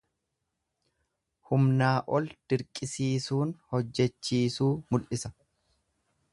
Humnaa ol dirqisiisuun hojjechiisuu mul'isa.